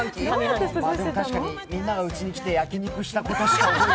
確かにみんながうちに来て焼き肉したことしか。